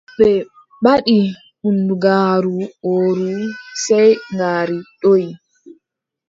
Ɓe mbaɗi bundugaaru wooru sey ngaari doʼi.